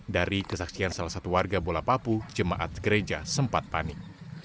dari kesaksian salah satu warga bola papu jemaat gereja sempat panik